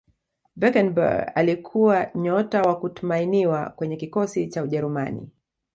beckenbauer alikuwa nyota wa kutumainiwa kwenye kikosi cha ujerumani